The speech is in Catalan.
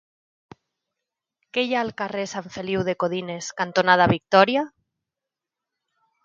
Què hi ha al carrer Sant Feliu de Codines cantonada Victòria?